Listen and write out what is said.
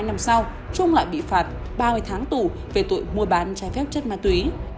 hôm sau trung lại bị phạt ba mươi tháng tù về tội mua bán trái phép chất ma túy